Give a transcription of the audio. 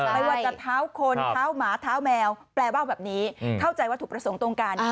ไม่ว่าจะเท้าคนเท้าหมาเท้าแมวแปลว่าแบบนี้เข้าใจว่าถูกประสงค์ตรงกัน